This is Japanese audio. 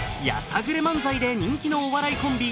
さぐれ漫才で人気のお笑いコンビ